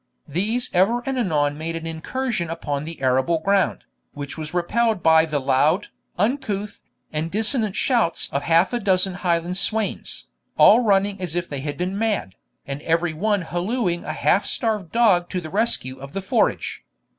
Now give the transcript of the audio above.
These ever and anon made an incursion upon the arable ground, which was repelled by the loud, uncouth, and dissonant shouts of half a dozen Highland swains, all running as if they had been mad, and every one hallooing a half starved dog to the rescue of the forage.